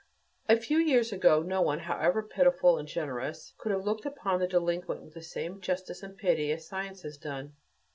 A few years ago, no one, however pitiful and generous, could have looked upon the delinquent with the same justice and pity as science has done.